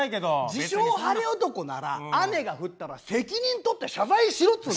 自称晴れ男なら雨が降ったら責任取って謝罪しろっつうんだよ！